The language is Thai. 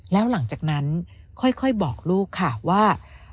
แล้วหลังจากนั้นค่อยบอกลูกค่ะว่า